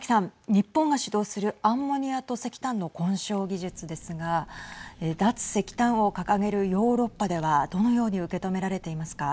日本が主導するアンモニアと石炭の混焼技術ですが脱石炭を掲げるヨーロッパではどのように受け止められていますか。